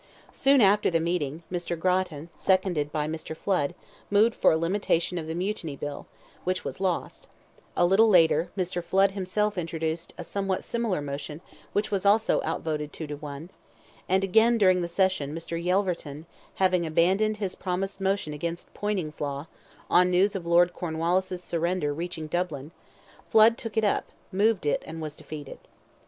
Soon after the meeting, Mr. Grattan, seconded by Mr. Flood, moved for a limitation of the Mutiny Bill, which was lost; a little later, Mr. Flood himself introduced a somewhat similar motion, which was also outvoted two to one; and again, during the session, Mr. Yelverton, having abandoned his promised motion against Poyning's law, on news of Lord Cornwallis's surrender reaching Dublin, Flood took it up, moved it, and was defeated.